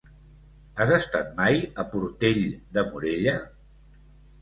Has estat mai a Portell de Morella?